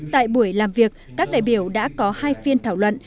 tại buổi làm việc các đại biểu đã có hai phiên thảo luận